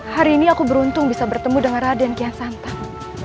hari ini aku beruntung bisa bertemu dengan raden kian santan